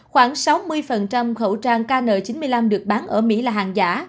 khoảng sáu mươi khẩu trang kn chín mươi năm được bán ở mỹ là hàng giả